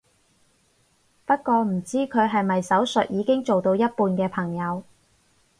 不過唔知佢係咪手術已經做到一半嘅朋友